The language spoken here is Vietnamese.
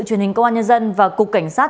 truyền hình công an nhân dân và cục cảnh sát